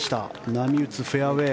波打つフェアウェー。